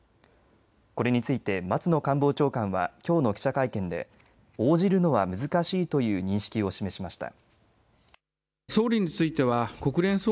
これについて松野官房長官はきょうの記者会見で応じるのは難しいという認識を示しました。